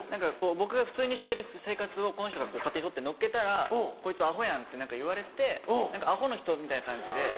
僕が普通にしてる生活をこの人が勝手に撮って載っけたら「こいつアホやん」っていわれてアホの人みたいな感じで。